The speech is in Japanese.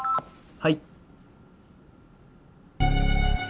はい！